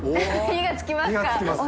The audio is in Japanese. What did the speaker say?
火がつきますよ。